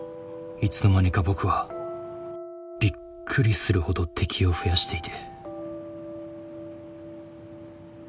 いつの間にか僕はびっくりするほど敵を増やしていて。